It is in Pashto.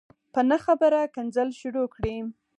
په نه خبره کنځل شروع کړي